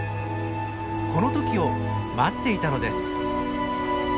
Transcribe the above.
この時を待っていたのです。